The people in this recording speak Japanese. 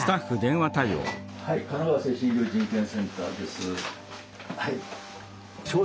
はい神奈川精神医療人権センターです。